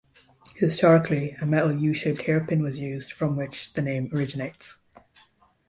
Historically, a metal U-shaped hairpin was used, from which the name originates.